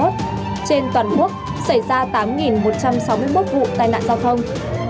trên toàn quốc xảy ra tám một trăm sáu mươi một vụ tai nạn giao thông